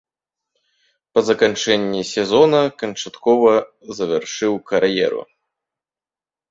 Па заканчэнні сезона канчаткова завяршыў кар'еру.